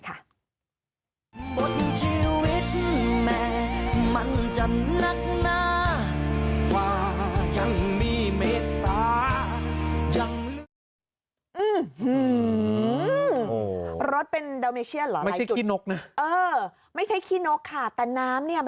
ผ้าใบเกาะต่าง